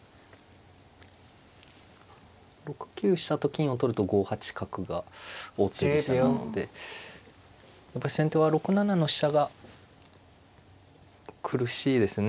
６九飛車と金を取ると５八角が王手飛車なのでやっぱり先手は６七の飛車が苦しいですね。